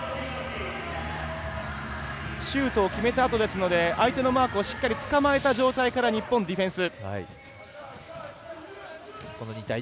シュートを決めたあとなので相手のマークをしっかりつかまえた状態からの日本のディフェンス。